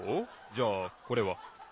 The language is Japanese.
じゃあこれは？